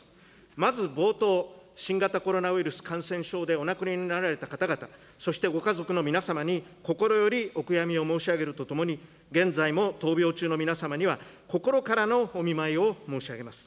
まず冒頭、新型コロナウイルス感染症でお亡くなりになられた方々、そしてご家族の皆様に、心よりお悔やみを申し上げるとともに、現在も闘病中の皆様には、心からのお見舞いを申し上げます。